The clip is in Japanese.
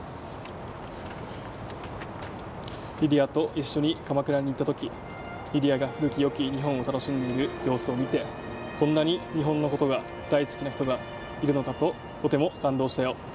リリアと一緒に鎌倉に行った時リリアが古きよき日本を楽しんでいる様子を見てこんなに日本のことが大好きな人がいるのかととても感動したよ。